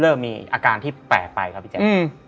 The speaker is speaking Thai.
เริ่มมีอาการที่แปลกไปครับพี่แจ๊ค